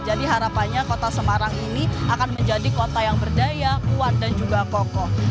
jadi harapannya kota semarang ini akan menjadi kota yang berdaya kuat dan juga kokoh